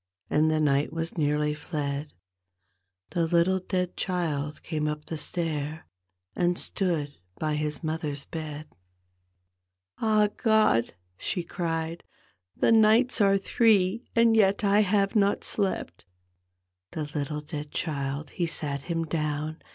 And the night was nearly fled, The little dead child came up the stair And stood by his mother's bed. D,gt,, erihyGOOgle The Haunted Hoar " Ah, God I " she cried, " the nights are three. And yet I have not slept 1 " The little dead child he sat him down.